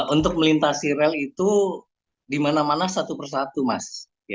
untuk melintasi rel itu di mana mana satu persatu mas